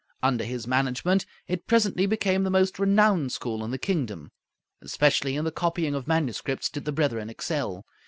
Under his management, it presently became the most renowned school in the kingdom. Especially in the copying of manuscripts did the brethren excel.